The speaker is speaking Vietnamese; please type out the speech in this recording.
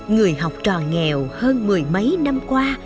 người học trò nghèo hơn mười mấy năm qua